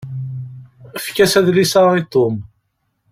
Efk-as adlis-a i Tom.